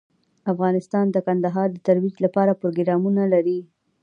افغانستان د کندهار د ترویج لپاره پروګرامونه لري.